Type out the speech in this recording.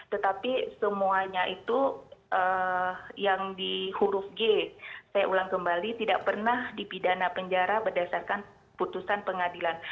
tetapi semuanya itu yang di huruf g saya ulang kembali tidak pernah dipidana penjara berdasarkan putusan pengadilan